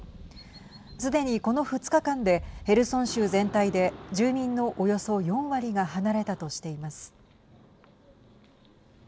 すでにこの２日間でヘルソン州全体で住民のおよそ４割が離れたとしています。